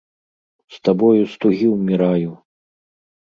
З табою з тугі ўміраю!